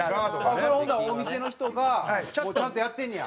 それはほんだらお店の人がちゃんとやってんねや。